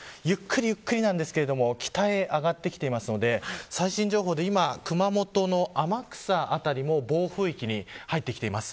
ゆっくりなんですが北へ上がってきていますので最新情報で今、熊本の天草辺りも暴風域に入ってきています